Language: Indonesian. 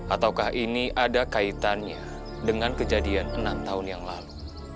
ataukah ini ada kaitannya dengan kejadian enam tahun yang lalu